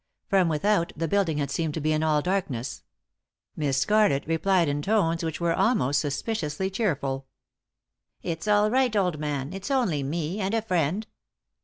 From without the building had seemed to be all in darkness. Miss Scarlett replied in tones which were almost sus piciously cheerful. "It's all right, old man; it's only me— and a friend."